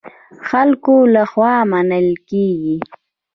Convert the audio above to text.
خلکو له خوا منل کېږي.